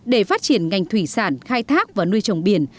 để phát triển ngành thủy sản khai thác và nuôi trồng biển